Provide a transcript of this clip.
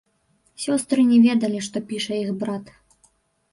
Сёстры не ведалі, што піша іх брат.